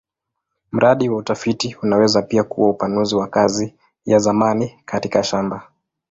Mradi wa utafiti unaweza pia kuwa upanuzi wa kazi ya zamani katika shamba.